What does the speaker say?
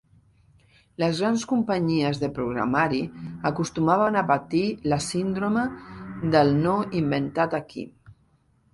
Les grans companyies de programari acostumaven a patir la síndrome del "no inventat aquí".